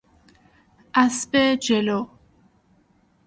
اسب جلو